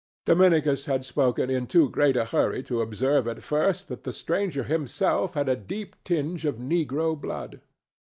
Dominicus had spoken in too great a hurry to observe at first that the stranger himself had a deep tinge of negro blood.